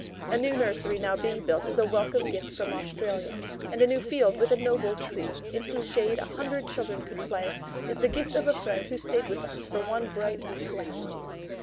A new nursery now being built is a welcome gift from Australia; and a new field with a noble tree, in whose shade a hundred children could play, is the gift of a friend who stayed with us for one bright week last year.